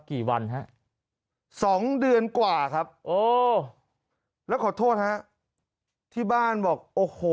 กี่วันฮะสองเดือนกว่าครับโอ้แล้วขอโทษฮะที่บ้านบอกโอ้โห